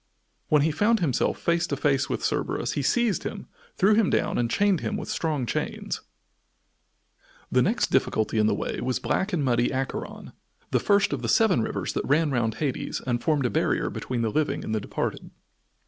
When he found himself face to face with Cerberus he seized him, threw him down and chained him with strong chains. The next difficulty in the way was black and muddy Acheron, the first of the seven rivers that ran round Hades, and formed a barrier between the living and the departed.